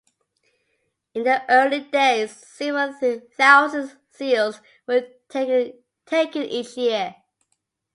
In the early days several thousand seals were taken each year.